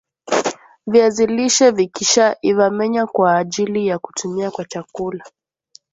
viazi lishe vikisha iva menya kwaajili ya kutumia kwa chakula